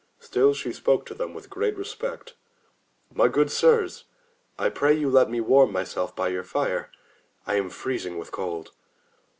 Still she spoke to them with great respect. "My good sirs, I pray you let me warm myself by your fire; I am freezing with cold.'